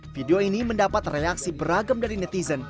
video ini mendapat reaksi beragam dari netizen